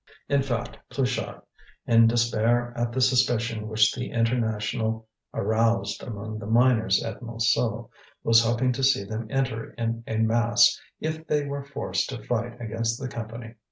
In fact, Pluchart, in despair at the suspicion which the International aroused among the miners at Montsou, was hoping to see them enter in a mass if they were forced to fight against the Company.